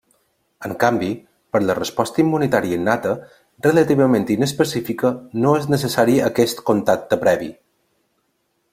En canvi, per la resposta immunitària innata, relativament inespecífica, no és necessari aquest contacte previ.